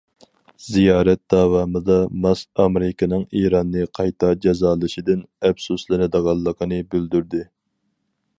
زىيارەت داۋامىدا، ماس ئامېرىكىنىڭ ئىراننى قايتا جازالىشىدىن ئەپسۇسلىنىدىغانلىقىنى بىلدۈردى.